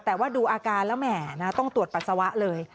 แต่ว่าดูอาการแล้วแหมต้องตรวจปัสสาวะเลย